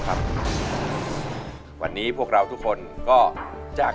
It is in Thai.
ในรายการร้องได้ให้ร้านลูกทุ่งสู้ชีวิต